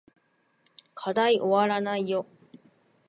課題おわらないよ